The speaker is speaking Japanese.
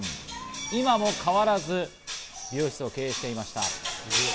今も変わらず美容室を経営していました。